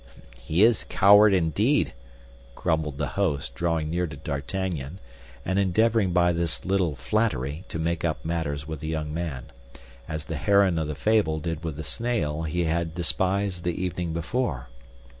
"He is a coward, indeed," grumbled the host, drawing near to D'Artagnan, and endeavoring by this little flattery to make up matters with the young man, as the heron of the fable did with the snail he had despised the evening before.